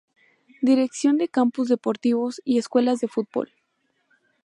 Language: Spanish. Dirección de Campus Deportivos y Escuelas de Fútbol.